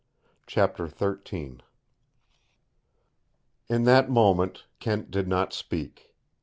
CHAPTER XIII In that moment Kent did not speak.